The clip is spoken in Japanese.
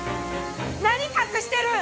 何隠してるん！？